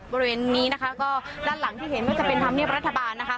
บริเวณนี้นะคะก็ด้านหลังที่เห็นก็จะเป็นธรรมเนียบรัฐบาลนะคะ